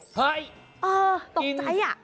เฮ่ยเออตกใจ